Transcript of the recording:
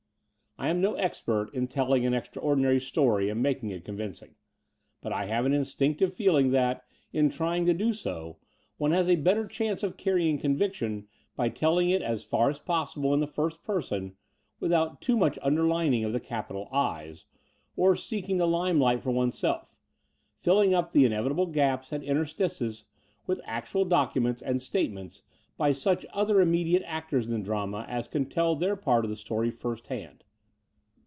I am no expert at telling an extraordinary story and making it convincing; but I have an instinctive feeling that, in trying to do so, one has a better chance of carrying conviction by telling it as far as possible in the first per son without too much underlining of the capital I's" or seeking the limelight for oneself, fill ing up the inevitable gaps and interstices with actual documents and statements by such other immediate actors in the drama as can tell their part of the story first hand.